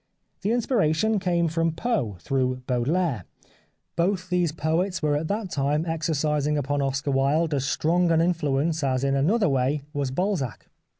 The inspiration came from Poe through Baude laire. Both these poets were at that time ex ercising upon Oscar Wilde as strong an influence as in another way was Balzac.